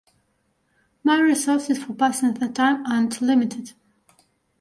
My resources for passing the time are not limited.